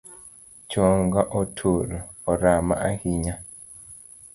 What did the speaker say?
Chonga otur, orama ahinya